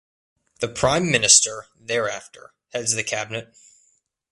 The prime minister thereafter heads the Cabinet.